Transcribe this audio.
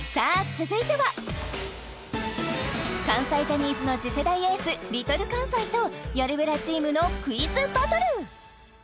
続いては関西ジャニーズの次世代エースＬｉｌかんさいとよるブラチームのクイズバトル！